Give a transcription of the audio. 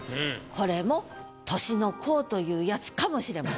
これも年の功というやつかもしれません。